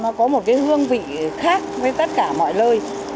nó có một cái hương vị khác với tất cả mọi nơi